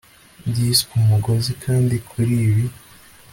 byiswe umugozi. kandi kuri ibi